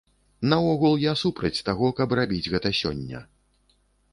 Наогул, я супраць таго, каб рабіць гэта сёння.